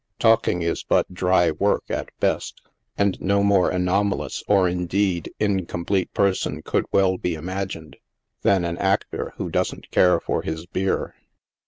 Talk ing is but dry work, at best ; and no more anomalous, or, indeed, incomplete person could well be imagined, than an actor who doesn't care for his beer.